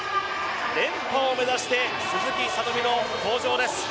連覇を目指して鈴木聡美の登場です。